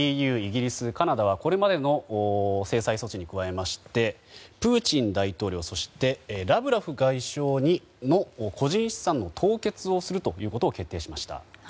イギリス、カナダはこれまでの制裁措置に加えてプーチン大統領そしてラブロフ外相の個人資産の凍結をすることを決定しました。